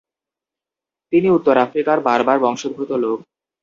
তিনি উত্তর আফ্রিকার বার্বার বংশোদ্ভূত লোক।